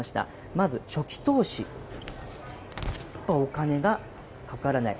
まず初期投資、お金がかからない。